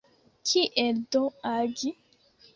Kiel do agi?